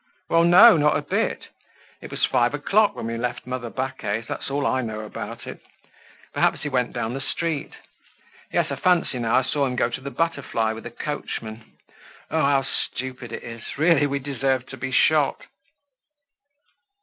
"Well, no, not a bit. It was five o'clock when we left mother Baquet's. That's all I know about it. Perhaps he went down the street. Yes, I fancy now that I saw him go to the 'Butterfly' with a coachman. Oh! how stupid it is! Really, we deserve to be shot."